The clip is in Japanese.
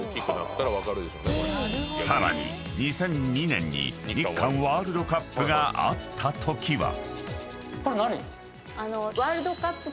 ［さらに２００２年に日韓ワールドカップがあったときは］